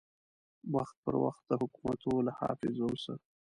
وخت پر وخت د حکومتو له حافظو سه